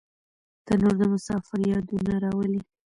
تنور د مسافر یادونه راولي